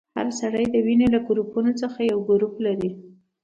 هر سړی د وینې له ګروپونو څخه یو ګروپ لري.